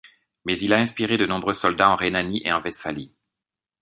Mais il a inspiré de nombreux soldats en Rhénanie et en Westphalie.